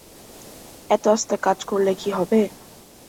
এত আস্তে কাজ করলে কি হবে?